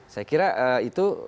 saya kira itu